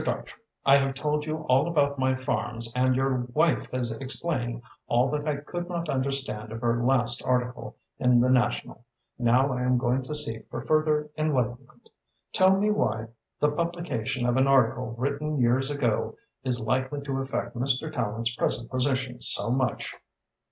Dartrey, I have told you all about my farms and your wife has explained all that I could not understand of her last article in the National. Now I am going to seek for further enlightenment. Tell my why the publication of an article written years ago is likely to affect Mr. Tallente's present position so much?"